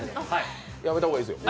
やめた方がいいですよ。